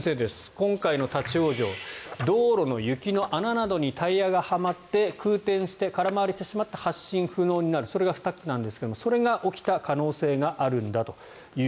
今回の立ち往生道路の雪の穴などにタイヤがはまって空転して、空回りしてしまって発進不能になるそれがスタックなんですがそれが起きた可能性があるんだと。